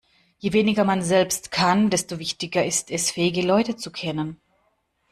Je weniger man selbst kann, desto wichtiger ist es, fähige Leute zu kennen.